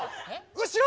後ろ！